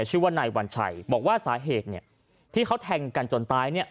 ชื่อว่านายวัญชัยบอกว่าสาเหตุเนี่ยที่เขาแทงกันจนตายเนี่ย